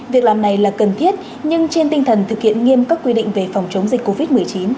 việc làm này là cần thiết nhưng trên tinh thần thực hiện nghiêm các quy định về phòng chống dịch covid một mươi chín